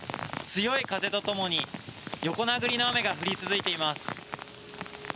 強い風とともに横殴りの雨が降り続いています。